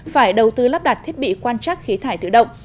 phải đầu tư lắp đặt thiết bị quan trắc khí thải tự động